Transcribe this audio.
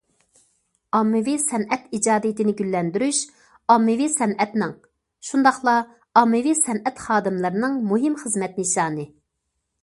ئاممىۋى سەنئەت ئىجادىيىتىنى گۈللەندۈرۈش ئاممىۋى سەنئەتنىڭ، شۇنداقلا ئاممىۋى سەنئەت خادىملىرىنىڭ مۇھىم خىزمەت نىشانى.